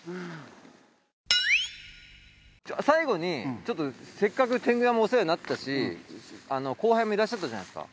最後にせっかく天狗山お世話になったし後輩もいらっしゃったじゃないですか。